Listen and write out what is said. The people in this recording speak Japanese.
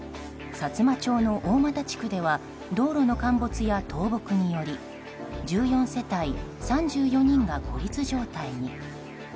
さつま町の大俣地区では道路の陥没や倒木により１４世帯３４人が孤立状態に。